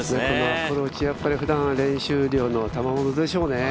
アプローチ、ふだんの練習量のたまものでしょうね。